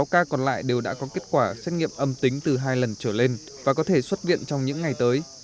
sáu ca còn lại đều đã có kết quả xét nghiệm âm tính từ hai lần trở lên và có thể xuất viện trong những ngày tới